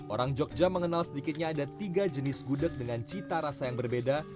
orang jogja mengenal sedikitnya ada tiga jenis gudeg dengan cita rasa yang berbeda